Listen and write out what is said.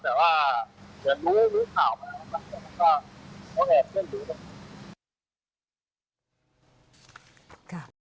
เพื่อนเพื่อนรู้นะครับ